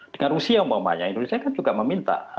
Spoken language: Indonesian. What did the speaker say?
dengan rusia umpamanya indonesia kan juga meminta